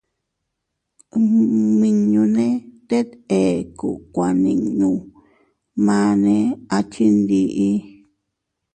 Nmiñunne tet ekku kuaninnu, manne a chindii.